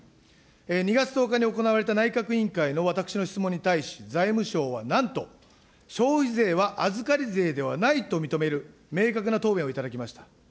２月１０日に行われた内閣委員会の私の質問に対し、財務省はなんと、消費税は預かり税ではないと認める、明確な答弁をいただきました。